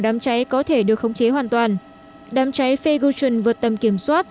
đám cháy có thể được khống chế hoàn toàn đám cháy fagution vượt tầm kiểm soát